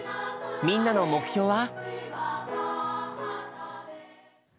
みんなの目標は？